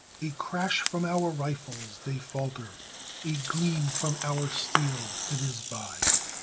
A crash from our rifles they falter; A gleam from our steel it is by.